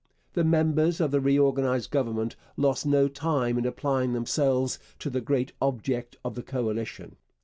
The members of the reorganized Government lost no time in applying themselves to the great object of the coalition.